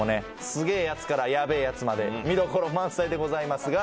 すげえやつからヤベえやつまで見どころ満載です。